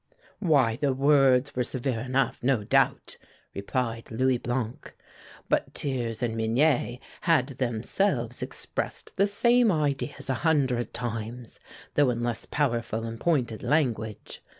"Why, the words were severe enough, no doubt," replied Louis Blanc, "but Thiers and Mignet had themselves expressed the same ideas a hundred times, though in less powerful and pointed language.